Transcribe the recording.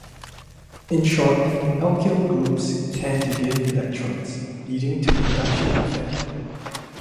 In short, alkyl groups tend to give electrons, leading to induction effect.